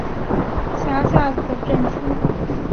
伊登镇区为美国堪萨斯州索姆奈县辖下的镇区。